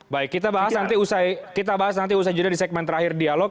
baik kita bahas nanti usai judulnya di segmen terakhir dialog